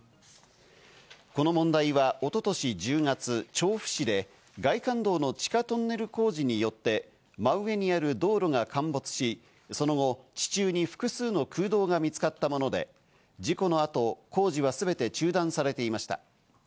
この問題は一昨年１０月、調布市で外環道の地下トンネル工事によって、真上にある道路が陥没し、その後、地中に複数の空洞が見つかったもので、事故の後、工事はすべて中断されていました。